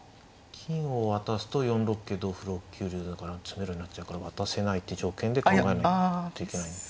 金を渡すと４六桂同歩６九竜だから詰めろになっちゃうから渡せないって条件で考えないといけないんですね。